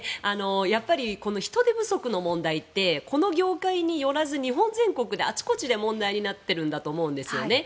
やっぱり人手不足の問題ってこの業界によらず、日本全国であちこちで問題になっているんだと思うんですよね。